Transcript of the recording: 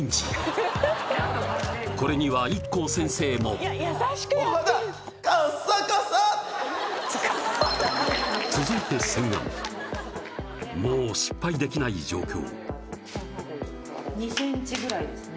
これにはＩＫＫＯ先生も続いて洗顔もう失敗できない状況２センチぐらいですね